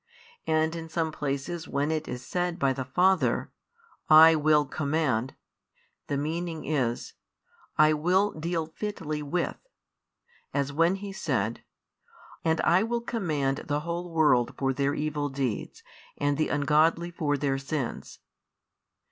And in some places when it is said by the Father: "I will command," the meaning is: "I will deal fitly with," as when He said: And I will command the whole world for their evil deeds, and the ungodly for their sins.